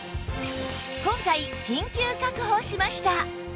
今回緊急確保しました！